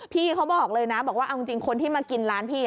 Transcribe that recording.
พี่เขาบอกเลยนะบอกว่าเอาจริงคนที่มากินร้านพี่